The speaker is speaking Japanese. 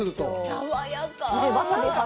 爽やか。